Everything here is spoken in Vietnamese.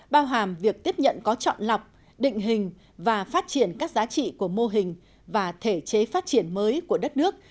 bao hàm việc tiếp nhận có chọn lọc định hình và phát triển các giá trị của mô hình và thể chế phát triển mới của đất nước